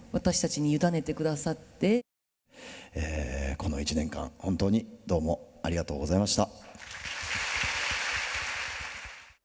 この１年間、本当にどうもありがとうございました。